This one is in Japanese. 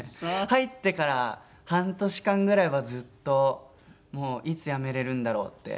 入ってから半年間ぐらいはずっといつやめれるんだろうって。